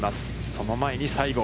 その前に西郷。